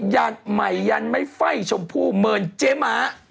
อย่าใหม่ยันไม่ไฟชมพูเมินเจ๊ม้า